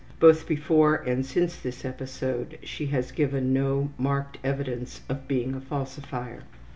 Both before and since this episode she has given no marked evidence of being a falsifier.